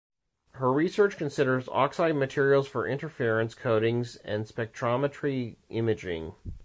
Her research considers oxide materials for interference coatings and spectrometry imaging.